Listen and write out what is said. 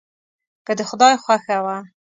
که د خدای خوښه وه.